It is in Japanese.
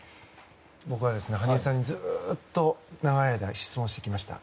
僕は羽生さんに長い間、質問をしてきました。